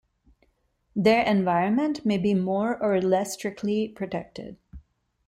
Their environment may be more or less strictly protected.